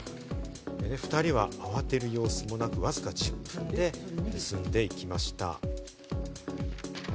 ２人は慌てる様子もなく、わずか１０分で盗んでいきました。